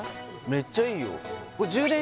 めっちゃいいよ・